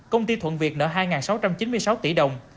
công ty thuận việt nợ hai sáu trăm chín mươi sáu tỷ đồng